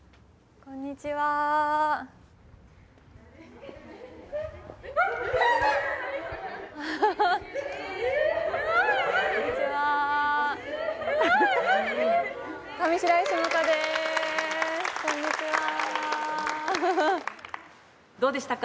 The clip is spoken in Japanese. こんにちはどうでしたか？